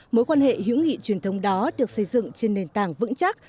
mối quan hệ hữu nghị truyền thống đó được xây dựng trên nền tảng vững chắc